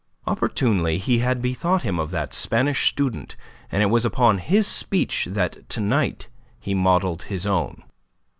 Opportunely he had bethought him of that Spanish student, and it was upon his speech that to night he modelled his own.